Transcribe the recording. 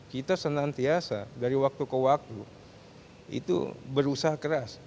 kita senantiasa dari waktu ke waktu itu berusaha keras